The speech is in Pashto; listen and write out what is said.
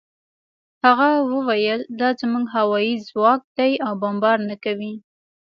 هغه وویل دا زموږ هوايي ځواک دی او بمبار نه کوي